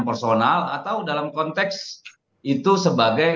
personal atau dalam konteks itu sebagai